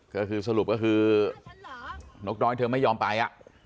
ก็คือสรุปก็คือนกน้อยเธอไม่ยอมไป